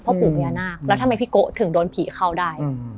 ปู่พญานาคแล้วทำไมพี่โกะถึงโดนผีเข้าได้